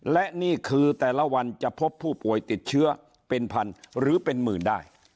และนี่คือแต่ละวันจะพบผู้ป่วยติดเชื้อเป็นพันหรือเป็นหมื่นได้